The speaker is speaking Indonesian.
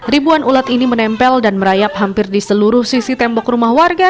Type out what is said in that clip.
ribuan ulat ini menempel dan merayap hampir di seluruh sisi tembok rumah warga